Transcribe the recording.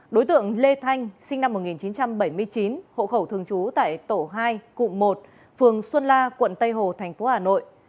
đối tượng lê thanh sinh năm một nghìn chín trăm bảy mươi chín hộ khẩu thường trú tại tổ hai cụm một phường xuân la quận tây hồ thành phố hà nội